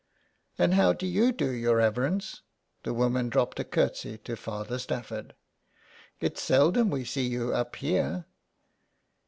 And how do you do, your reverence." The woman dropped a curtsey to Father Stafford. " It's seldom we see you up here."